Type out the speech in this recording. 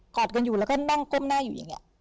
อดกันอยู่แล้วก็นั่งก้มหน้าอยู่อย่างนี้